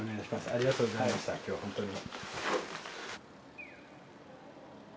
ありがとうございました今日は本当に。